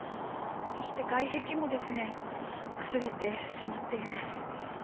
そして外壁も崩れてしまっています。